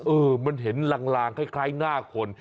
เออมันเห็นลางคล้ายหน้าคน